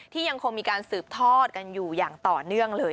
ยังคงมีการสืบทอดกันอยู่อย่างต่อเนื่องเลย